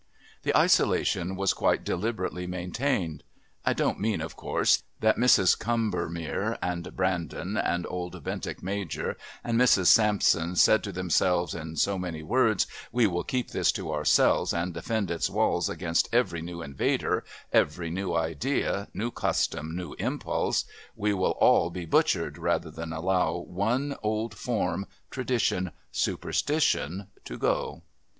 This isolation was quite deliberately maintained. I don't mean, of course, that Mrs. Combermere and Brandon and old Bentinck Major and Mrs. Sampson said to themselves in so many words, "We will keep this to ourselves and defend its walls against every new invader, every new idea, new custom, new impulse. We will all be butchered rather than allow one old form, tradition, superstition to go!"